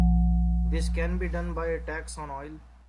This can be done by a tax on oil.